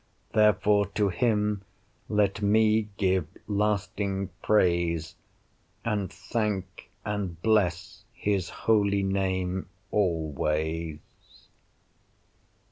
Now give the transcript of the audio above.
Therefore to him let me give lasting praise, And thank and bless his holy name always.